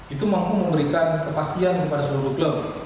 itu mampu memberikan kepastian kepada seluruh klub